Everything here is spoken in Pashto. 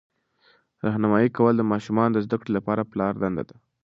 راهنمایي کول د ماشومانو د زده کړې لپاره د پلار دنده ده.